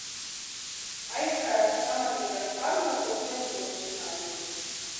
Aizkrāsni pamatīgāk pārmeklēt neuzdrošinājos.